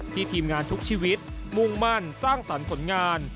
ทีมงานทุกชีวิตมุ่งมั่นสร้างสรรค์ผลงาน